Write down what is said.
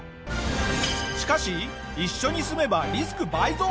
しかし一緒に住めばリスク倍増！